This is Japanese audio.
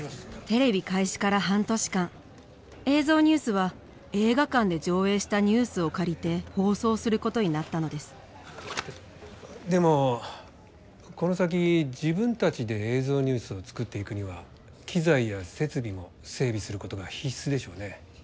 テレビ開始から半年間映像ニュースは映画館で上映したニュースを借りて放送することになったのですでもこの先自分たちで映像ニュースを作っていくには機材や設備も整備することが必須でしょうね。